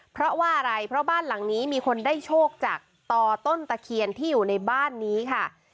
เพราะว่าอะไรเพราะบ้านหลังนี้มีคนได้โชคจากต่อต้นตะเคียนที่อยู่ในบ้านนี้ค่ะ